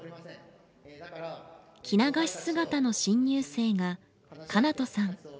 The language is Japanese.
着流し姿の新入生が奏人さん。